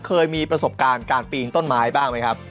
เคยมีประสบการณ์การปีนต้นไม้บ้างไหมครับ